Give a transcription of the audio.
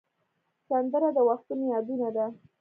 سندره د وختونو یادونه ده